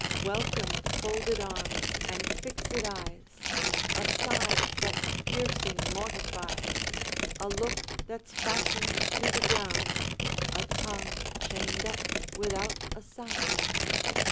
Welcome, folded arms, and fixèd eyes, A sigh that piercing mortifies, A look that's fastened to the ground, A tongue chained up without a sound!